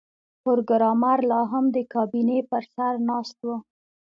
پروګرامر لاهم د کابینې پر سر ناست و